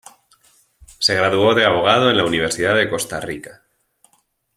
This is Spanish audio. Se graduó de abogado en la Universidad de Costa Rica.